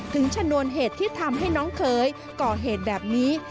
ชนวนเหตุที่ทำให้น้องเคยก่อเหตุแบบนี้